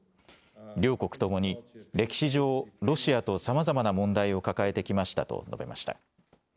両国ともに歴史上、ロシアとさまざまな問題を抱えてきましたと述べました。